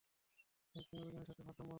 ফ্র্যাংকের ওজনের সাথে ভারসাম্য মেলাও!